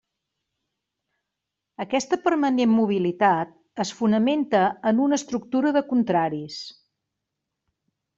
Aquesta permanent mobilitat es fonamenta en una estructura de contraris.